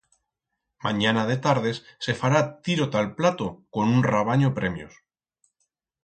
Manyana de tardes se fará tiro ta'l plato con un rabanyo premios.